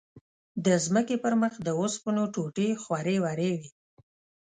د ځمکې پر مخ د اوسپنو ټوټې خورې ورې وې.